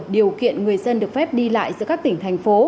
điều kiện người dân được phép đi lại giữa các tỉnh thành phố